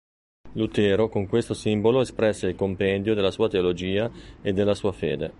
Lutero con questo simbolo espresse il compendio della sua teologia e della sua fede.